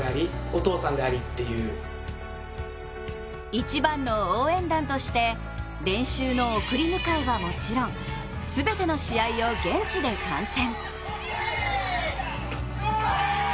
一番の応援団として、練習の送り迎えはもちろん全ての試合を現地で観戦。